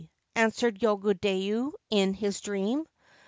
' answered Yogodayu in his dream.